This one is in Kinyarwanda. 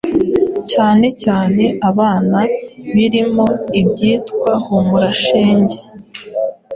cyane cyane abana birimo ibyitwa “Humura shenge”, “